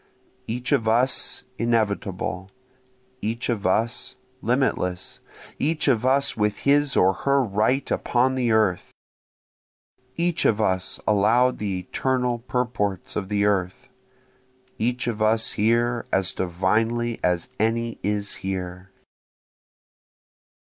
Each of us inevitable, Each of us limitless each of us with his or her right upon the earth, Each of us allow'd the eternal purports of the earth, Each of us here as divinely as any is here.